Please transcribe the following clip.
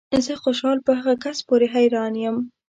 زه خوشحال په هغه کس پورې حیران یم